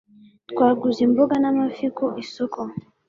Twaguze imboga n'amafi ku isoko.